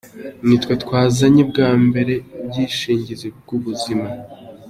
Nitwe twazanye bwa mbere ubwishingizi bw’ubuzima.